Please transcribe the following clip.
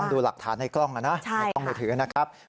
ต้องดูหลักฐานในกล้องมานะ